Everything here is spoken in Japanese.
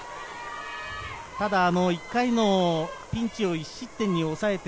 １回のピンチを１失点に抑えて、